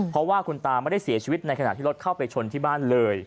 เพราะว่าคุณตาไม่ได้เสียชีวิตในขณะที่รถเข้าไปชนที่บ้านเลย